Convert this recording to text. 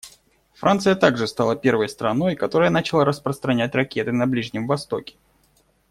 Франция также стала первой страной, которая начала распространять ракеты на Ближнем Востоке.